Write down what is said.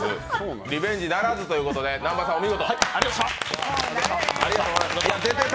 リベンジならずということで南波さん、お見事。